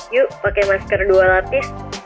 yuk pakai masker dua lapis